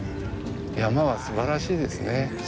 山はすばらしいですね。